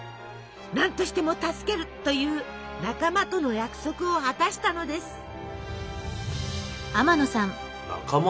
なんとしても助ける！という仲間との約束を果たしたのです。